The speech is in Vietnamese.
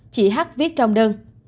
chị hát viết trong đơn